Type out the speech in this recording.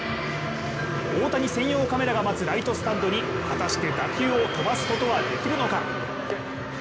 大谷専用カメラが待つライトスタンドに果たして打球を飛ばすことはできるのか？